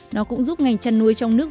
nó cũng giúp ngành chăn nuôi trong nước